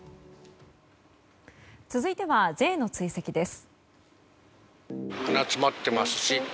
続いてはＪの追跡です。